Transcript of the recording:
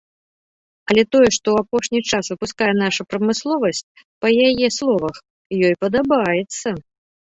Але тое, што ў апошні час выпускае наша прамысловасць, па яе словах, ёй падабаецца.